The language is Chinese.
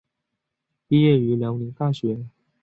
毕业于辽宁大学。